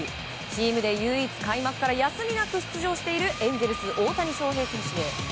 チームで唯一、開幕から休みなく出場しているエンゼルス、大谷翔平選手。